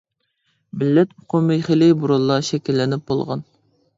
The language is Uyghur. مىللەت ئۇقۇمى خىلى بۇرۇنلا شەكىللىنىپ بولغان.